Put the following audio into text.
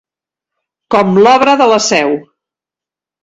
Com l'obra de la Seu.